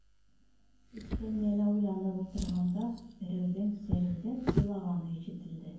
Эскәмйәлә уйланып ултырғанда, берәүҙең сәрелдәп илағаны ишетелде.